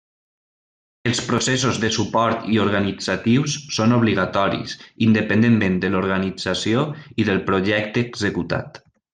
Els processos de suport i organitzatius són obligatoris, independentment de l'organització i del projecte executat.